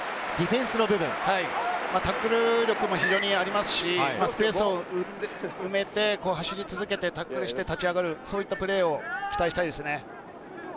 タックル力もありますし、スペースを埋めて走り続けてタックルして立ち上がる、そういったプレーを期待したいですね。